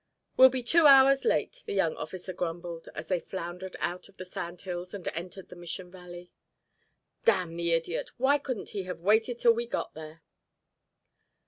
"We'll be two hours late," the young officer grumbled, as they floundered out of the sandhills and entered the Mission Valley. "Damn the idiot. Why couldn't he have waited till we got there?"